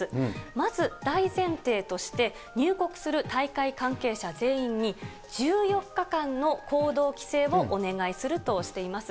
まず大前提として、入国する大会関係者全員に、１４日間の行動規制をお願いするとしています。